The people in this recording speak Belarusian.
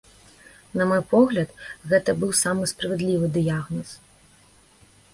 На мой погляд, гэта быў самы справядлівы дыягназ.